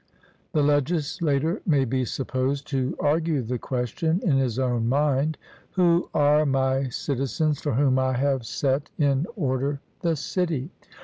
The legislator may be supposed to argue the question in his own mind: Who are my citizens for whom I have set in order the city?